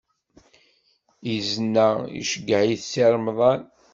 Izen-a iceyyeɛ-it Si Remḍan